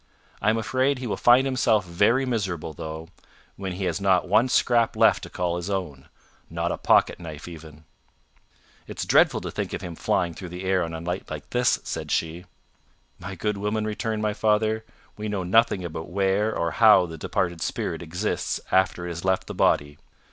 I am afraid he will find himself very miserable though, when he has not one scrap left to call his own not a pocket knife even." "It's dreadful to think of him flying through the air on a night like this," said she. "My good woman," returned my father, "we know nothing about where or how the departed spirit exists after it has left the body.